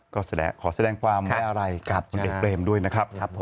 ก็ขอแสดงความไว้อะไรกับผลเอกเบรมด้วยนะครับ